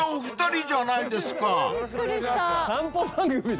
お二人。